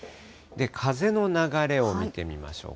風の流れを見てみましょう。